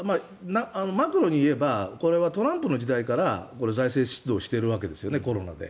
マクロに言えばこれはトランプの時代から財政出動しているわけですよね、コロナで。